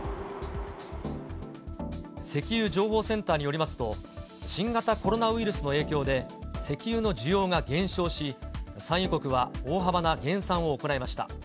石油情報センターによりますと、新型コロナウイルスの影響で、石油の需要が減少し、産油国は大幅な減産を行いました。